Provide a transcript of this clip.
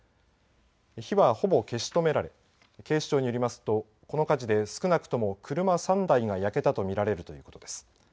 火は、ほぼ消し止められ警視庁によりますとこの火事で少なくとも車３台が焼けたと見られるということです。